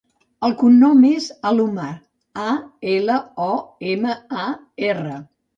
El cognom és Alomar: a, ela, o, ema, a, erra.